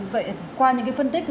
vậy qua những phân tích